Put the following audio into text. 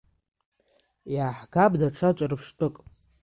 Иааҳгап даҽа ҿырԥштәык.